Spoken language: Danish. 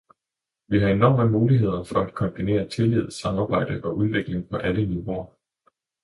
Vi har enorme muligheder for at kombinere tillid, samarbejde og udvikling på alle niveauer.